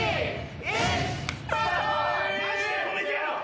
マジで止めてやる！